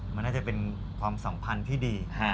มันน่าจะเป็นความสัมพันธ์ที่ดี